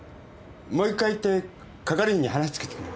もう一回行って係員に話つけてくる。